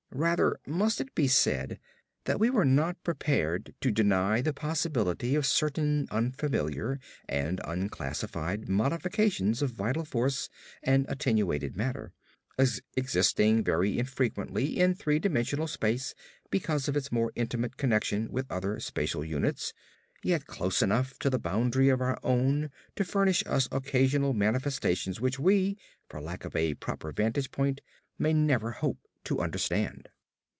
Rather must it be said that we were not prepared to deny the possibility of certain unfamiliar and unclassified modifications of vital force and attenuated matter; existing very infrequently in three dimensional space because of its more intimate connection with other spatial units, yet close enough to the boundary of our own to furnish us occasional manifestations which we, for lack of a proper vantage point, may never hope to understand.